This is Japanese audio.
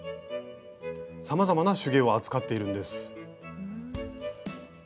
さまざまな手芸を扱っているんです。